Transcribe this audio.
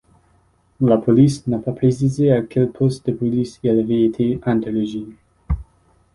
La police n'a pas précisé à quel poste de police il avait été interrogé.